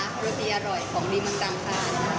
โรตีอร่อยของริบมันจังค่ะ